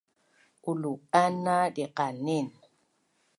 Ulu’ana diqanin